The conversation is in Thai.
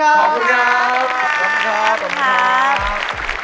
อาอราชน์